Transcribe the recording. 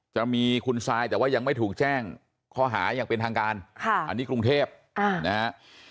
จะมีคุณซายแต่ว่ายังไม่ถูกแจ้งข้อหาอย่างเป็นทางการอันนี้กรุงเทพนะฮะ